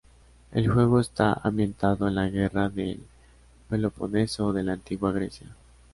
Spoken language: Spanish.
El juego está ambientado en la Guerra del Peloponeso de la Antigua Grecia.